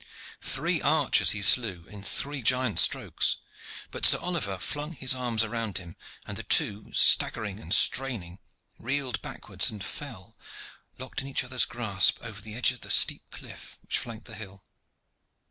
Three archers he slew in three giant strokes, but Sir Oliver flung his arms round him, and the two, staggering and straining, reeled backwards and fell, locked in each other's grasp, over the edge of the steep cliff which flanked the hill.